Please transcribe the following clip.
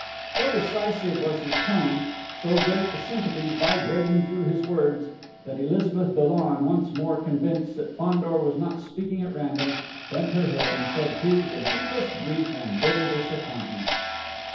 So decisive was his tone, so great the sympathy vibrating through his words, that Elizabeth Dollon, once more convinced that Fandor was not speaking at random, bent her head and shed tears of deepest grief and bitter disappointment.